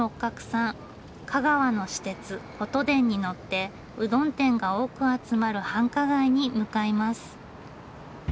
香川の私鉄ことでんに乗ってうどん店が多く集まる繁華街に向かいます。